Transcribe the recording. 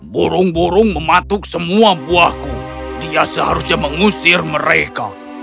borong borong mematuk semua buahku dia seharusnya mengusir mereka